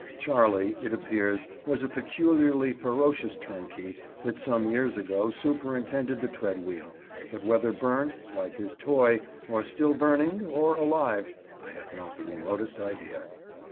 "Charley," it appears, was a peculiarly ferocious turnkey that some years ago superintended the tread wheel, but whether burnt, like his toy, or still burning, or alive, I have not the remotest idea.